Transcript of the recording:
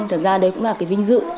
nhưng thật ra đấy cũng là cái vinh dự